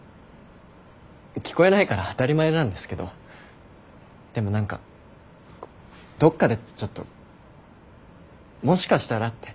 聞こえないから当たり前なんですけどでも何かどっかでちょっともしかしたらって。